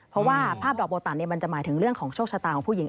เพราะว่าภาพดอกโบตันมันจะหมายถึงเรื่องของโชคชะตาของผู้หญิง